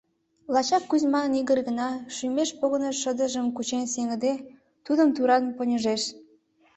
Лачак Кузьман Игорь гына, шӱмеш погынышо шыдыжым кучен сеҥыде, тудым туран поньыжеш: